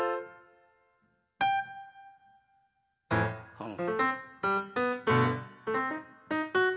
うん。